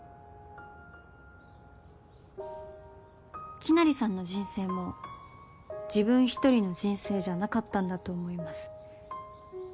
きなりさんの人生も自分一人の人生じゃなかったんだと思います。